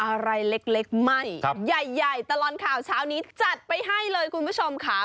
อะไรเล็กไม่ใหญ่ตลอดข่าวเช้านี้จัดไปให้เลยคุณผู้ชมค่ะ